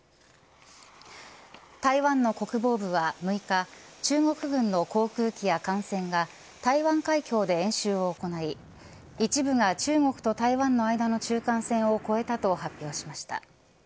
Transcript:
台湾の国防部は６日中国軍の航空機や艦船が台湾海峡で演習を行い一部が中国と台湾の間の中間線を越えたと発表しました。